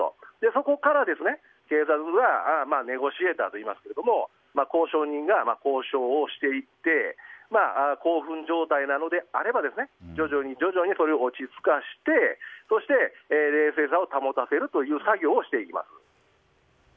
そこから警察がネゴシエーターといいますが交渉人が交渉をしていって興奮状態なのであれば徐々に徐々にそれを落ち着かせてそして冷静さを保たせるという作業をしていきます。